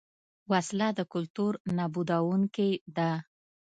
وسله د کلتور نابودوونکې ده